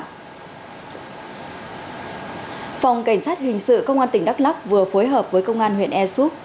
phòng cảnh sát hình sự công an tỉnh đắk lắk vừa phối hợp với công an huyện e soup